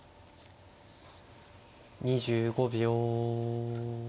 ２５秒。